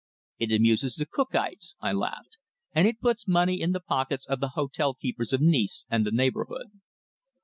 "It amuses the Cookites," I laughed; "and it puts money in the pockets of the hotel keepers of Nice and the neighbourhood."